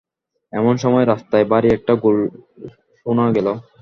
এমন সময় রাস্তায় ভারি একটা গোল শুনা গেল।